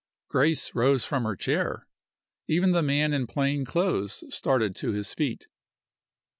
Grace rose from her chair. Even the man in plain clothes started to his feet.